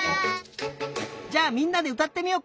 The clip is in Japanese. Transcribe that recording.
じゃあみんなでうたってみようか。